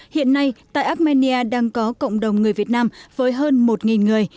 hiện nay tại armenia đang có cộng đồng người việt nam với hơn một người